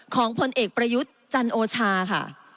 ผลเอกประยุทธ์จันโอชาค่ะ